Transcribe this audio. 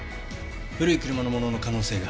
古い車のものの可能性が。